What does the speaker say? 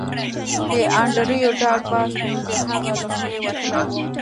د انډریو ډاټ باس نوم د هغه له خولې وتلی و